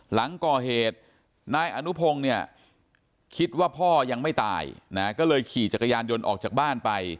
หลังก่อเหตุนายอนุพงศ์เนี่ยคิดว่าพ่อยังไม่ตายนะก็เลยขี่จักรยานยนต์ออกจากบ้านไป